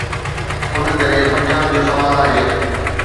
ان ڪري پنجاب جو سوال آهي.